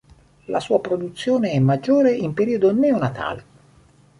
La sua produzione è maggiore in periodo neonatale.